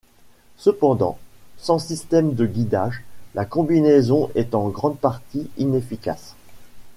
Cependant, sans système de guidage, la combinaison est en grande partie inefficace.